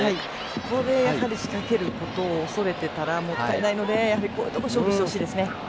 ここで仕掛けることを恐れてたら、もったいないのでこういうところで勝負してほしいですね。